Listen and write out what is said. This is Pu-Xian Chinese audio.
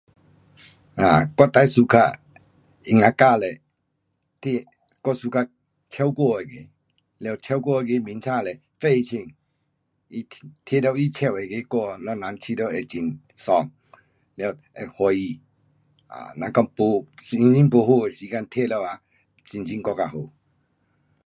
啊我最 suka 音乐家是，我喜欢唱歌那个，完唱歌那个名字是费玉清，他，听到他唱的那个歌，我人觉得会很爽，完，会欢喜。啊，若讲，没，心情不好的时间听了啊，心情更加好。